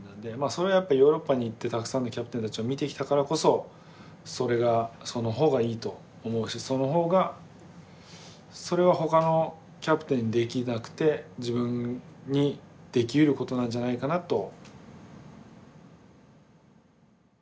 それはやっぱヨーロッパに行ってたくさんのキャプテンたちを見てきたからこそその方がいいと思うしその方がそれはほかのキャプテンにできなくて自分にできることなんじゃないかなと。